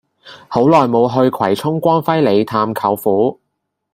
好耐無去葵涌光輝里探舅父